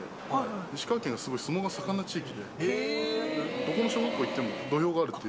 石川県はすごい相撲が盛んな地域で、どこの小学校行っても、土俵があるという。